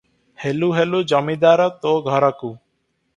ହେଲୁ ହେଲୁ ଜମିଦାର ତୋ ଘରକୁ ।